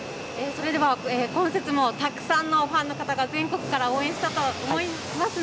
今節もたくさんのファンの方が全国から応援していたと思います。